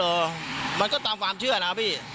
เออมันก็ตามความเชื่อนะพี่